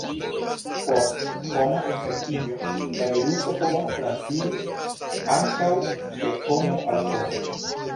Post homa infektiĝo, la viruso povas transiri ankaŭ de homo al homo.